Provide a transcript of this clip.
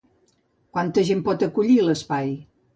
Quanta gent pot acollir, l'espai?